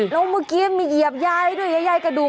แล้วเมื่อกี้มีเหยียบยายด้วยยายกระดูก